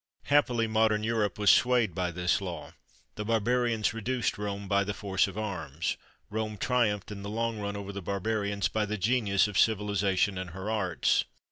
Happily modern Europe was swayed by this law: the barbarians reduced Rome by the force of arms, Rome triumphed in the long run over the barbarians by the genius of civilisation and her arts.